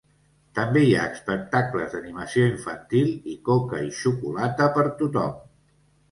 També hi ha espectacles d'animació infantil i coca i xocolata per tothom.